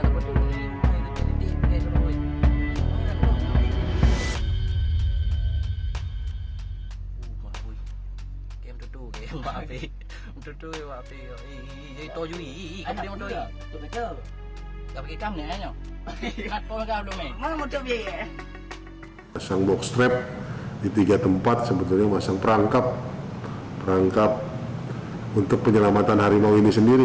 masang box strap di tiga tempat sebetulnya masang perangkap untuk penyelamatan harimau ini sendiri